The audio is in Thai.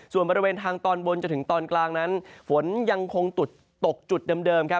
ส่วนบริเวณทางตอนบนจนถึงตอนกลางนั้นฝนยังคงตกจุดเดิมครับ